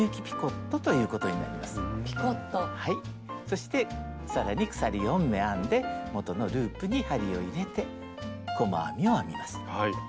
そして更に鎖４目編んで元のループに針を入れて細編みを編みます。